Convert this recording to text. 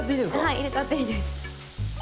はい入れちゃっていいです。